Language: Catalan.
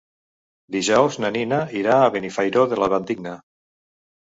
Dijous na Nina irà a Benifairó de la Valldigna.